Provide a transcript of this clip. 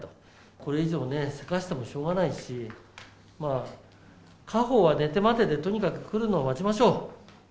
これ以上ね、せかしてもしょうがないし、果報は寝て待てで、とにかく来るのを待ちましょう。